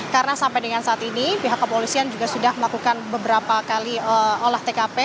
karena sampai dengan saat ini pihak kepolisian juga sudah melakukan beberapa kali olah tkp